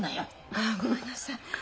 あっごめんなさい。